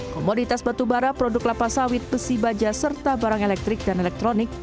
komoditas batubara produk lapas sawit besi baja serta barang elektrik dan elektronik